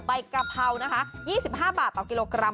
กะเพรานะคะ๒๕บาทต่อกิโลกรัม